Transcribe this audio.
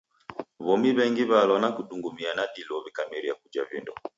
W'omi w'engi w'alwa na kudungumia na dilo w'ikameria kuja vindo.